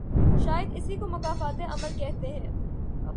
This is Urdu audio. شاید اسی کو مکافات عمل کہتے ہیں۔